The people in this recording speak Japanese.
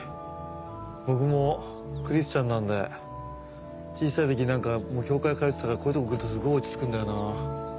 僕もクリスチャンなんで小さい時教会通ってたからこういうとこ来るとすごい落ち着くんだよな。